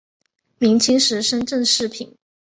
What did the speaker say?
明清时升正四品。